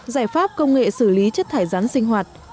giải pháp công nghệ xử lý chất thải rắn sinh hoạt